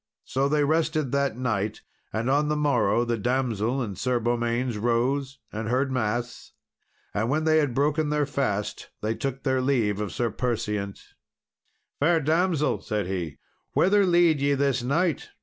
So they rested that night; and on the morrow, the damsel and Sir Beaumains rose, and heard mass. And when they had broken their fast, they took their leave of Sir Perseant. "Fair damsel," said he "whither lead ye this knight?"